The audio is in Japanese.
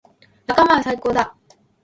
仲間は最高だ。